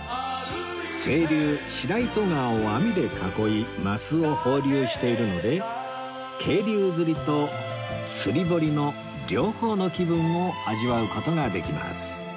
清流白糸川を網で囲いマスを放流しているので渓流釣りと釣り堀の両方の気分を味わう事ができます